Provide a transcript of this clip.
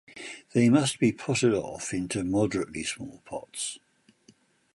They must be potted off into moderately small pots.